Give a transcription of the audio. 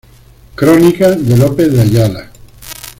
Crónica de López de Ayala